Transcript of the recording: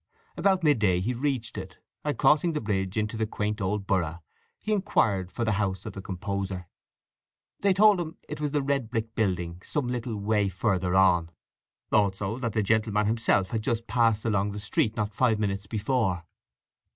About mid day he reached it, and crossing the bridge into the quaint old borough he inquired for the house of the composer. They told him it was a red brick building some little way further on. Also that the gentleman himself had just passed along the street not five minutes before.